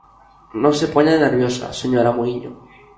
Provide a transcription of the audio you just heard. Non se poña nerviosa, señora Muíño.